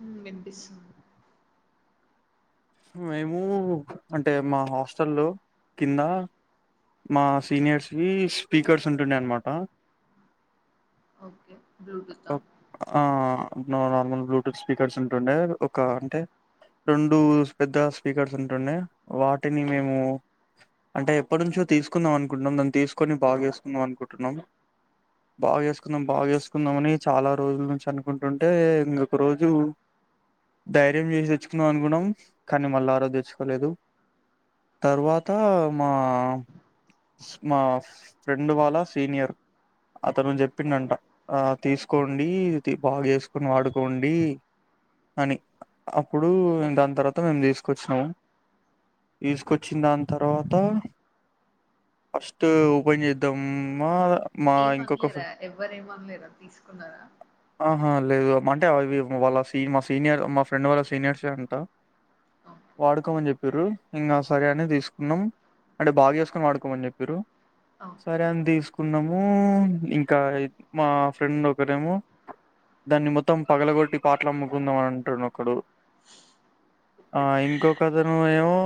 హ్మ్మ్ వినిపిస్తుంది మేము అంటే మా హాస్టల్ల్లో కింద మా సీనియర్స్కి స్పీకర్స్ ఉంటుండే అన్నమాట ఓకే బ్లూటూత్ ఆ ఆ నార్మల్ బ్లూటూత్ స్పీకర్స్ ఉంటుండే ఒక అంటే రెండు. పెద్ద స్పీకర్స్ ఉంటుండే వాటిని మేము అంటే ఎప్పటినుంచో తీసుకుందాం అనుకుంటున్నాం దాన్ తీసుకొని బాగ్జెసుకుందాం అనుకుంటున్నాం. బాగా చేసుకుందాం, బాగా చేసుకుందాం అని చాలా రోజుల్ నుంచి అనుకుంటుంటే ఇంగోక రోజు. ధైర్యం చేసి తెచ్చుకుందం అనుకున్నాం కానీ మల్ల ఆరోజు దెచ్చుకోలేదు. తర్వాత మా మా ఫ్రెండ్ వాళ్ళ సీనియర్ అతను చెప్పిండంట ఆ తీసుకోండి తి బాగా చేసుకొని వాడుకోండి. అని అప్పుడు దాని తర్వా త మేం తీసుకొచ్చినం తీసుకొచ్చిన దాని తర్వాత. ఫస్టు ఓపెన్ చేద్దామ్మ ఏమ్నలేరా ఎవ్వరు ఏమన్లేదా తీసుకున్నారా హా లేదు మంటే అవి వాళ్ళ సీ మా సీనియర్ మా ఫ్రెండ్ వాళ్ళ సీనియర్స్టె అంట. ఓకే. వాడుకోమని చెప్పిర్రు ఇంగా సరే అని తీసుకున్నాం అంటే బాగ్ చేసుకొని వాడుకోమని చెప్పిర్రు ఓకే. సరే అని తీసుకున్నాము ఇంకా మా ఫ్రెండ్ ఒకరేమో. దాన్ని మొత్తం పగలగొట్టి పాట్లు అమ్ముకుందామని అంటుండోక్కడు. ఆ ఇంకొక అతను ఏమో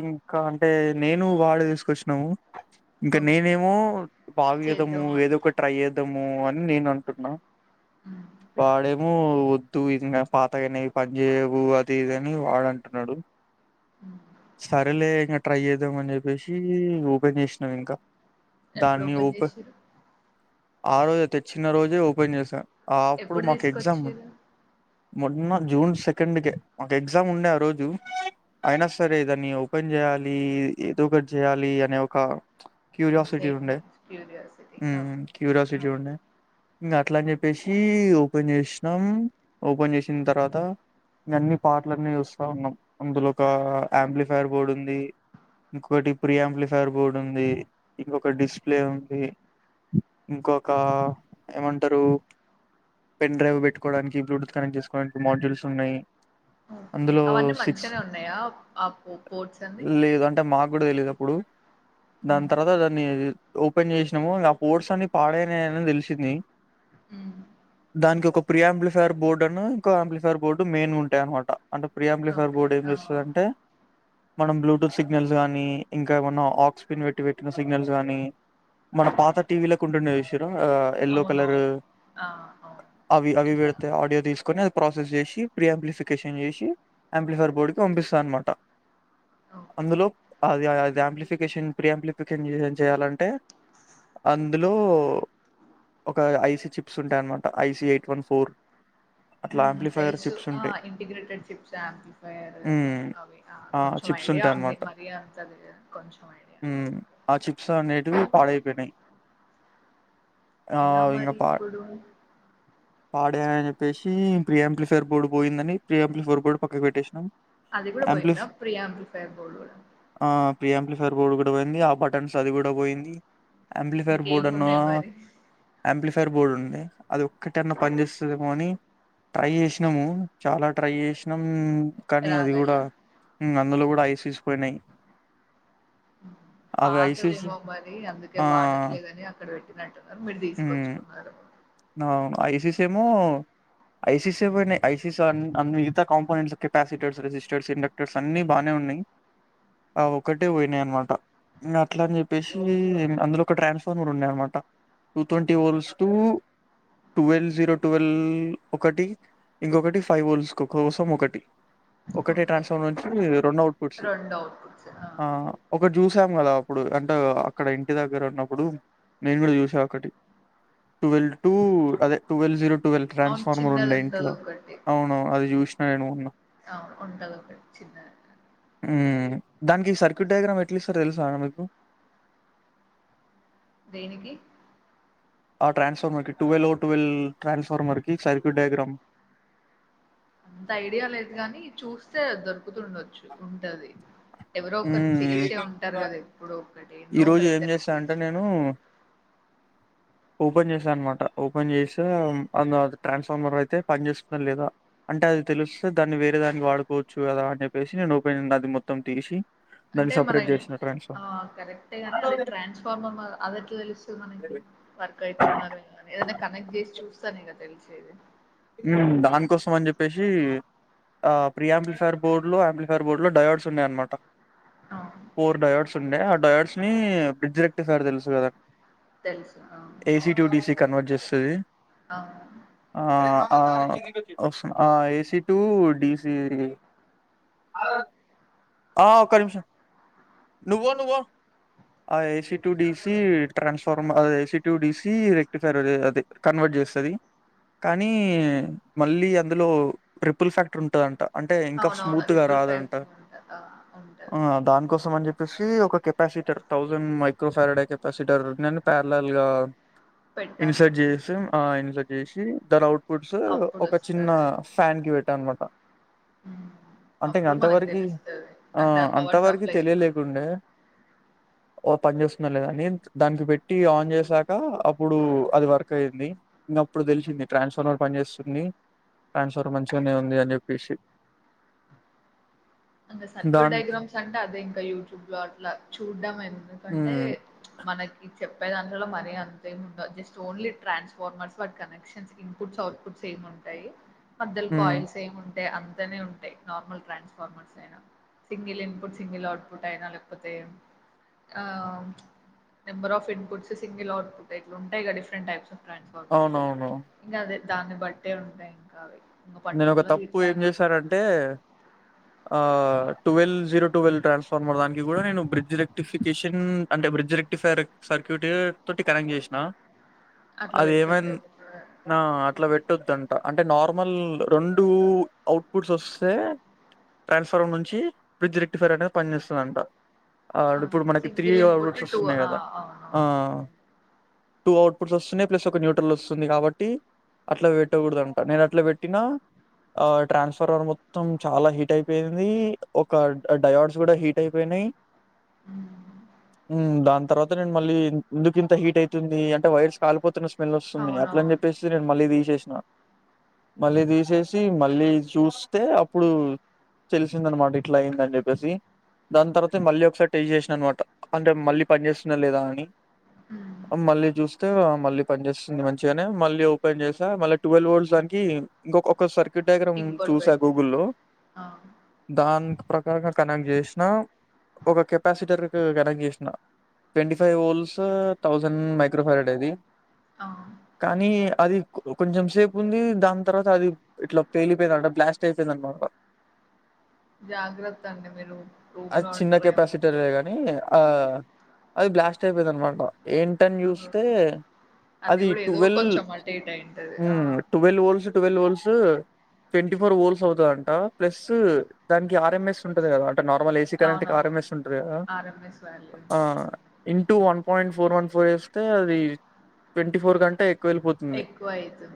ఇంకా అంటే నేను వాడు తీసుకొచ్చినాము ఉ ఇంకా ఓకే. నేనేమో బాగు చేద్దాము చేద్దామా? ఏదో ఒక ట్రై జె ద్దము అని నేన్నంటున్నా హ్మ్. వాడేమో వద్దు ఇదింగా పాతగాయినై పని జేయ్యవు ది ఇదని వాడంటున్నాడు హ్మ్. సరేలే ఇంగా ట్రై చేద్దాం అని చెప్పేసి ఓపెన్ చేసినాం ఇంకా. ఎప్పుడు ఓపెన్ చేసిర్రు ఆ రోజే తెచ్చిన రోజే ఓపెన్ చేశా, ఆప్పుడు ఎప్పుడు మాకు ఎగ్జామ్ ఉ. తీసుకొచ్చిర్రు? మొన్న జూన్ సెకండ్ కే మాకు ఎగ్జామ్ ఉండే ఆ రోజు అయినా సరే దాన్ని ఓపెన్ జేయాలి ఏదో ఒకటి చేయాలి. అనే ఒక క్యూరియాసిటీ ఉండే ఎక్సైట్‌మెంట్, క్యూరియాసిటీ. ఓకే. ఆ! క్యూరియాసిటీ ఉండే ఇ అట్లా అని చెప్పేసి ఓపెన్ చేసినాం ఓపెన్ చేసిన తర్వాత అన్ని పార్ట్లన్నీ చూస్తా ఉన్నాం అందులో ఒక ఆంప్లిఫైర్ బోర్డ్ ఉంది ఇంకోటి ప్రియాంప్లిఫైర్ బోర్డ్ ఉంది ఇంకొక డిస్ప్లే ఉంది ఇంకొక ఏమంటారు పెన్డ్రైవ్ పెట్టుకోవడానికి బ్లూటూత్ కనెక్ట్ చేసుకోవడానికి మాడ్యూల్స్ ఉన్నాయి ఓకే. అందులో అవన్నీ సిక్స్ మంచిగానే ఉన్నాయా? ఆ పో పోర్ట్స్ అన్నీ? లేదు అంటే మాక్ కూడా తెలియదు అప్పుడు దాని హ్మ్. తర్వాత దాన్ని ఓపెన్ చేసినాము ఇంగ కోర్స్ అన్ని పాడేనాయని తెలిసింది మ్మ్ దానికి ఒక ప్రీయాంప్లిఫైయర్ బోర్డు అను ఇంకో అంప్లిఫైర్ బోర్డు మెయిన్ ఉంటాయి అనమాట అంటే ప్రియాం ప్లిఫర్ ఓకే. బోర్డు ఏం ఆ! చేస్తుంది అంటే మనం బ్లూటూత్ సిగ్నల్స్ కానీ ఇంకా ఏమనా ఆక్స్పిన్ పెట్టి పెట్టిన సిగ్నల్స్ గానీ మన పాత టీవీలోలకు ఉంటుండే చూసి ఎల్లో కలర్ అవునవును. ఆ! అవును. అవి అవి ఇట్లా పెడితే ఆడియో తీసుకు ని అది ప్రాసెస్ చేసి ప్రీ అంప్లిఫికేషన్ చేసి ఆంప్లిఫైర్ బోర్డు కి పంపిస్తా అనమాట ఓకే. అందులో అది అది ఆంప్లిఫికేషన్ ప్రీయాంప్లిఫికేషన్న్ చేయాలంటే అందులో ఒక ఐసీ చిప్స్ ఉంటాయన్నమాట ఐస ఎయిట్ వన్ ఫోర్ అట్లా ఆంప్లిఫైయర్ చిప్స్ ఉంటాయి. ఉనేటెడ్ చిప్స్ ఆంపి ఫయర్ హ్మ్. అవి ఆ! కొంచెం చిప్స్ ఐడియా ఉంది ఉంటాయన్నమాట. మరి అంతది కొంచెం అడియా ఆ చిప్స్ అన్నీ పాడై పోనే ఎలా మరి ఇప్పుడు పాడే అని చెప్పేసి ప్రియాంప్లి ఫోర్ బోర్డు పోయిందని ప్రియాంప్లి ఫోర్ బోర్డు పక్కకు పెట్టేసినాం అది కూడా పోయింద యాంప్లిఫ్ ప్రియాంప్లి బోర్డు కూడా ప్రియాంప్లిఫైర్ బోర్డ్ గూడా పోయింది ఆ బటన్స్ అది గూడా పోయింది. అప్లిఫైర్ బోర్డ్ అన్నా ఇంకేమున్నాయి మరి? అప్లి ఫైర్ బోర్డ్ ఉంది అది ఒక్కటనా పని చేేస్తదేమో అని ట్రై చేసినాము చాలా ట్రై చేసినాం కానీ అది గూడా రాలేదా? మ్ అందులో గూడా ఐససిపోయినాయి పాతదేమో మరి అందుకే ఆ వాడట్లేదని అక్కడ పెట్టినట్టు అది మీరు ఉమ్, తీసుకొచ్చుకున్నారు అవును ఐసీస ఏమో ఐసిస పోయినాయి ఐసమిగతా కాంపెంట్స్ కెపాసిటర్స్ రజస్టర్స్ ఇండక్టర్స్ అన్ని బాగానే ఉన్నాయి ఆ ఒకటే పోయినాయి అనమాట మ్ అట్లా అని చెప్పేసి అందులో ఒక ట్రాన్స్ఫార్మర్ ఉండే అనమాట two twenty volts టటు twelve zero twelve ఒకటి ఇంకొకటి ఫైవ్ ఓల్స్ కోసం ఒకటి ఒకటే ఓకే. ట్రాన్స్ఫార్మర్ నుంచి రెండు అవుట్పుట్స్ ఆ ఒకటి జూస అలా అప్పుడు అంటే అక్కడ ఇంటి దగ్గర ఉన్నప్పుడు నేను గూడా చూసా ఒక్కటి టువెల్ టూ అదే టువెల్ జీరో టువెల్వ్ అవును. ట్రాన్స్ఫార్మర్ ఉండే ఇంట్లో చిన్నదుంటదొకటి. అవును అది చూసినా నేను మొన్నా అవు ఉంటది ఒక చిన్నది ఉమ్ దానికి సర్క్యూట్ డయాగ్రామ్ ఎట్లు ఇస్తోరో తెలుసా మీకు దేనికి ఆ ట్రాన్స్ఫార్మర్ కి టువెల్వ్ ఓ టువెల్ ట్రాన్స్ఫార్మర్ కి సర్క్యూట్ డయాగ్రామ్ అంత ఐడియా లేదు గాని చూస్తే దొరుకుతుండొచ్చు ఉంటది. ఎవరో ఒకరు చేసే ఉమ్ ఉంటారు గదా ఇప్పుడో ఒకటి ఈ ఎన్నో ఒక రోజు ఏం దగ్గర చేస్తా అంటే చేసే నేను ఉంటారు ఓపెన్ చేసా అనమాట ఓపెన్ చేస్తే అందు ట్రాన్స్ఫార్మర్ అయితే పని చేస్తుందా లేదా అంటే అది తెలుస్తే దాన్ని వేరే దానికి వాడుకోవచ్చు గదా అని చెప్పేసి నేను ఓపె అది మొత్తం తీసి దాన్ని సపరేట్ చేసిన ట్రాండ్స్ ఫా అ ని అదే ట్రాన్స్ఫార్మర్ అది ఎట్లా తెలుస్తది మనకి వర్క్ అయితున్నదా లేదా ఏదైనా కనెక్ట్ చేసి చు చూస్తానెగా తెలిసేది మ్ దానికోసం అని చెప్పేసి ఆ ప్రీ ఆంప్లిఫైర్ బోర్డు లో ఆంప్లిఫైర్ బోర్డులు డవర్డ్స్ ఉన్నాయ అనమాట ఆ ఫోర్ డయాడ్స్ ఉండే ఆ డయాడ్స్ ని బ్రిడ్జ్ రెక్టి ఫారు తెలుసు కదా తెలుసు అ ఏసీ టు డిసి కన్వర్ట్ చేస్తది అవును ఆ ఆ వస్తున్ A C to D C ఆ ఒక్క నిమిషం నువో నువో ఆ A C to D C transformer A C to D C rectifier అది అదే కన్వర్ట్ చేస్తది కానీ మళ్ళీ అందులో ట్రిపుల్ ఫ్యాక్టర్ ఉంటదంట అంటే ఇంకా అవునవును స్మూత్గా రిపుల్ ఫ్యాక్ట్ రాదంటా ఉంట ఆ ఆ ఉంటది దానికోసం అని జెప్ ఒక capacitor thousand micro farad capacitor నేన్ పేర్లల్ గా పెట్టాలి ఇన్సర్ట్ చేసా ఆ ఇన్సర్ట్ చేసి దర్ అవుట్ ఫుడ్స్ అప్పుడు ఒక చిన్న వస్తది ఫ్యాన్ కి పెట్టా అన్మాట హ్మ్. అంటే ఇంగ అప్పుడు మనకు అంతవరకి తెలుస్తది ఆ అంటే పవర్ అంతవరకి సప్లై ఉందా తెలియలేకుండే ఓ పని చేస్తుందా లేదాని దానికి పెట్టి ఆన్ చేసాక అప్పుడు అది వర్క్ అయింది ఇంకప్పుడు తెలిసింది ట్రాన్స్ పని చేస్తుంది ట్రాన్స్ఫర్ మంచిగనే ఉంది అని జెప్పేషి అంగ సర్క్యూట్ డయాగ్రామ్స్ అంటే అదే ఇంక యూట్యూబ్ లో అట్ల చూడ్డమే ఎందుకంటే హ్మ్. మన ఇది చెప్పే దాంట్లో మరీ అంతేం ఉంటదు జస్ట్ ఓలీ ట్రాన్స్ఫార్మర్స్ వాటి కనెక్షన్స్ ఇన్పుట్స్ అవుట్పుట్స్ సేమ్ ఉంటాయి మధ్యలు హ్మ్. కాయిల్స్ ఏముంటాయ్ అంతనే ఉంటాయి normal transformer single input single output అయినా లేకపోతే ఆ number of inputs single output ఇట్లుంటయిగా డిఫరెంట్ టైప్స్ ట్రాన్స్ఫార్మర్స్ అవునవును. ఇంగదే దాన్ని బట్టే ఉంటాయి ఇంకా అవి ఇంకా నేనొక పర్టికులర్ తప్పు ఏం ఇట్లానే చేశారంటే ఆ టువల్ జీరో టువెల్ ట్రాన్స్ఫార్మర్ దానికి గూడా నేను బ్రిడ్జ్ రెక్టిఫికేషన్ అంటే బ్రిడ్జ్ ఫైర్ సర్క్యూట్ తోటి కనెక్ట్ జేషిన అట్లా అది ఏమన్ పెట్టొద్దు నా అట్ల పెట్టొద్దంట అంటే నార్మల్ రొండు అవుట్పుట్స్ వస్తే ట్రాన్స్ఫార్మ్ నుంచి బ్రిడ్జ్ రెక్టిఫైర్ అనేది పనిచేస్తుందంట ఆ ఇప్పుడు మనకి three single input outputs two వస్తున్నాయి ఆ గదా అవును ఆ టూ అవుట్పుుట్ వస్తున్నాయి ప్లస్ ఒక న్యూట్రల్ వస్తుంది కాబట్టి అట్ల బెట్టకూడదంట, నేనట్ల బెట్ టినా ఆ ట్రాన్స్ఫార్మర్ మొత్తం చాలా హీట్ అయిపొయింది ఒక డయాడ్స్ కూడా హీట్ అయిపొయినాయి హ్మ్. ఉమ్ దాని తర్వాత్ మళ్ళీ ఎందుకింత హీట్ అయితుంది అంటే వైర్స్ కాలిపోతున్న స్మెల్ వస్తుంది అట్లని అవునవును జెప్పేసి నేను మళ్ళీ దీషేష్న మళ్ళీ దీషేషి మళ్ళీ చూస్తే అప్పుడు తెలిసిందనమాట ఇట్లా అయ్యిందని చెప్పేసి దాన్ తర్వాతే మళ్ళీ ఒకసారి టెస్ జేష్న అనమాట అంటే మళ్ళీ పని చేస్తుందా లేదా అని హ్మ్ అ మల్లి జూస్తే మళ్ళీ పని చేేస్తుంది మంచిగానే మళ్ళీ ఓపెన్ జేసా మళ్ళీ టువల్ వోల్ట్స్ దాని కి ఇంకొ కొక సర్క్యూట్ డయాగ్రమ్ ఇంకోటి చూసా పెట్టిర్రు గూగుల్ లో ఆ దాన్ ప్రకారంగా కనెక్ట్ జేష్న ఒక కెపాసిటర్ కు గనెక్ట్ జేష్న twenty five volts thousand microfarad అది ఆ కానీ అది కొంచెం సేపుంది దాని తర్వాత అది ఇట్లా పేలిపోయిందట బ్లాస్ట్ అయిపోయిందనమాట జాగ్రత్త అండి మీరు రూమ్ అది లో చిన్న ఒంటర్ ఏమో కెపాసిటరే గాని ఆ అది బ్లాస్ట్ అయిపోయింది అన్మాట ఏంటని హ్మ్. జూస్తే అది కూడా ఏదో టువెల్ కొంచెం అటు ఇటు అయింటది ఆ మ్మ్ twelve volt twelve volts twenty four volts అవుతుదంట ప్లస్ దానికి ఆర్ఎంఎస్ ఉంటది కదా నార్మల్ ఏసీ కరెంట్ కి అవునవును ఆర్ఎంఎస్ ఉంటది కదా ఆర్ఎంఎస్ వాల్యూ ఆ ఉంటది into one point four one four వేస్తే అది ట్వంటీ ఫోర్ కంటే ఎక్కువెళ్ళిపోతుంది. ఎక్కువయితది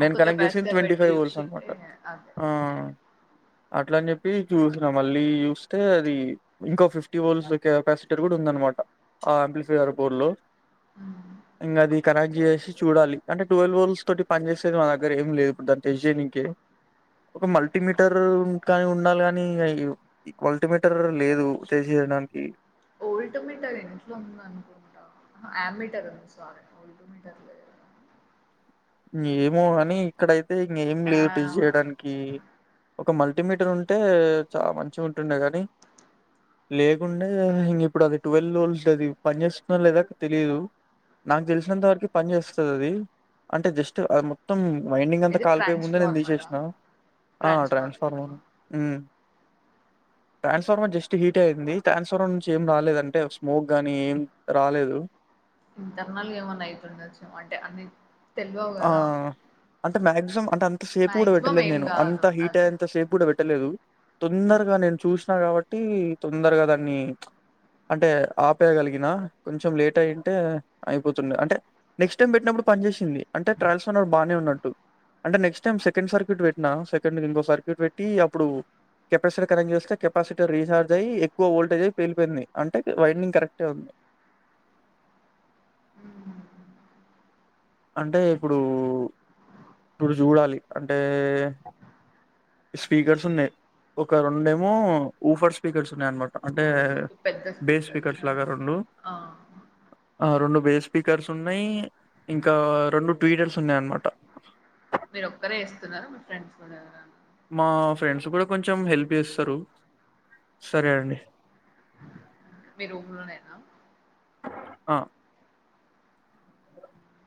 నేను కనెక్ట్ చేసింది ట్వంటీ ఫైవ్ హోల్స్ అనమాట అదే ఆ అట్లా అని చెప్పి చూసిన మళ్ళీ చూస్తే అది ఇంకో ఫిఫ్టీ బోల్స్ కెపాసిటీర్ కూడా ఉంద మాట ఆ అంపిల్ ఫైర్ పూర్లు హ్మ్ ఇంగది కనెక్ట్ చేసి చూడాలి అంటే ట్వెల్ వోల్స్ తోటి పని చేసేది మా దగ్గర ఏం లేదు ఇప్పుడు దాని టెస్ట్ చెయ్యనీకి ఒక ఓకే మల్టీమీటర్ కానీ ఉండాలి కాని మల్టీమీటర్ లేదు తెసి దానికి ఓల్ట్ మీటర్ ఇంట్లో ఉంది అనుకుంటా ఆమీటర్ సారీ ఓల్ట్ మీటర్లు ఏమో అని ఇక్కడైతే ఇంగా ఏం లేవు టెస్ట్ ఆ చేయడానికి ఒక మల్టీమీటర్ ఉంటే చాలా మంచిగుంటుండే గాని లేకుండే ఇంక ఇప్పుడు అది ట్వెల్వ్ లోల్స్ అది పని చేస్తుందో లేదో తెలీదు నాకు తెలిసినంత వరకు పని చేస్తుంది అది అంటే జస్ట్ అది మొత్తం మైండింగ్ అంతా ఇది కాలిపోయే ముందే నేను ట్రాన్స్ఫార్మరా తీసేసిన ఆ ట్రాన్స్ఫార్మరా ట్రాన్స్ఫార్మర్ ఉ [inaudible] ట్రాన్స్ఫార్మర్ జస్ట్ హీట్ అయింది ట్రాన్స్ఫార్మర్ నుంచి ఏం రాలేదంటే స్మోక్ గానీ ఏం రాలేదు జనరల్గా ఏమన్నా ఐతుండొచ్చు అంటే అన్ని తెల్వవు ఆ కదా అంటే మ్యాక్సిమం అంటే అంత సేపు కూడా మాక్సిమం పెట్టలేదు ఏం నేను అంత కాదు హీట్ అదే అయేంత సేపు కూడా పెట్ పెట్టలేదు ఆ. తొందరగా నేను చూసినా కాబట్టి తొందరగా దాన్ని అంటే ఆపేయగలిగిన కొంచెం లేట్ అయింటే అయిపోతుండ అంటే నెక్స్ట్ టైం పెట్టినప్పుడు పని చేేసింది అంటే ట్రయల్స్ అని బాగానే ఉన్నట్టు అంటే నెక్స్ట్ టైం సెకండ్ సర్క్యూట్ పెట్టినా సెకండ్ ఇంకో సర్క్యూట్ పెట్టి అప్పుడు కెపాసిటర్ కనెక్ట్ చేస్తే కెపాసిటీ రీచార్జ్ అయ్యి ఎక్కువ ఓల్టేజ్ అయి పేలిపోయింది అంటే వైండింగ్ కరెక్టే ఉంది మ్మ్ [unintelligible] అంటే ఇప్పుడు ఇప్పుడు చూడాలి అంటే స్పీకర్స్ ఉన్నాయి ఒక రెండేమో ఊఫర్ స్పీకర్స్ ఉన్నాయ అనమాటే అంటే ఓకే పెద్ద బేస్ స్పీకర్స్ పకర్స్ లాగా రెండు ఆ ఆ రెండు బేస్ స్పీకర్స్ ఉన్నాయి ఇంకా రెండు ట్వీటర్స్ ఉన్నాయి అన్నమాట మీరు ఒక్కరే ఇస్తున్నార మీ ఫ్రెండ్స్ కూడా ఎ మా ఫ్రెండ్స్ కూడా కొంచెం హెల్ప్ చేస్తారు సరే అండి మీ రూమ్లోనేనా ఆ